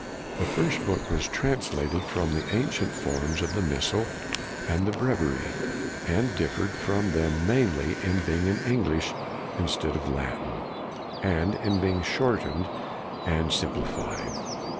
The first book was translated from the ancient forms of the missal and the bre viary, and differed from them mainly in being in English instead of Latin, and in being shortened and simplified.